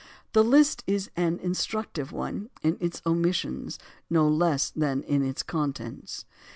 The list is an instructive one, in its omissions no less than in its contents.